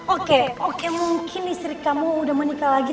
oke oke mungkin istri kamu udah menikah lagi